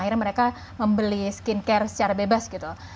akhirnya mereka membeli skincare secara bebas gitu